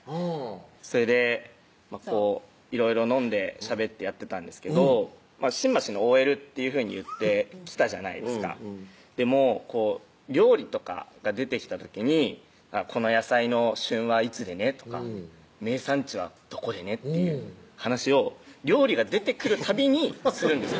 それでいろいろ飲んでしゃべってやってたんですけど「新橋のＯＬ」っていうふうに言ってきたじゃないですかでも料理とかが出てきた時に「この野菜の旬はいつでね」とか「名産地はどこでね」っていう話を料理が出てくるたびにするんですよ